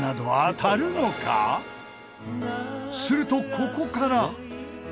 するとここから。